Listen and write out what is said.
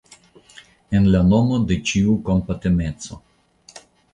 En la nomo de ĉiu kompatemeco!